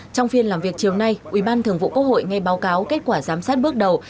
trong phiên làm việc chiều nay ủy ban thường vụ quốc hội ngay báo cáo kết quả giám sát bước đầu